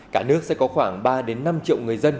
cả nước sẽ có khoảng ba năm triệu người dân